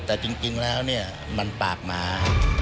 แต่จริงแล้วเนี่ยมันปากหมา